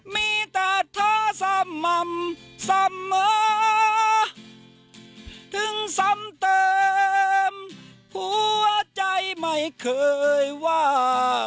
มีแต่เธอสม่ำเสมอถึงซ้ำเติมหัวใจไม่เคยว่า